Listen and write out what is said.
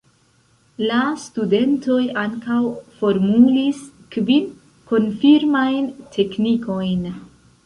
La studentoj ankaŭ formulis kvin "konfirmajn teknikojn".